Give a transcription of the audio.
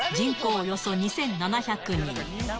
およそ２７００人。